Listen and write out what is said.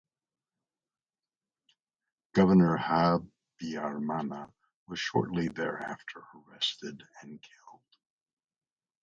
Governor Habyarimana was shortly thereafter arrested and killed.